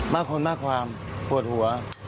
มากคนมากความปวดหัว